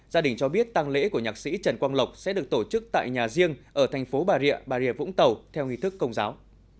gia đình cho biết tăng lễ của nhạc sĩ trần quang lộc sẽ được tổ chức tại nhà riêng ở thành phố bà rịa bà rịa vũng tàu theo nghi thức công giáo